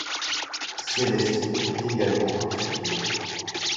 Célestine est également intrépide.